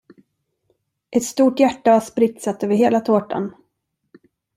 Ett stort hjärta var spritsat över hela tårtan.